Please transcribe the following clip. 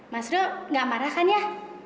mas rio gak marahkan ya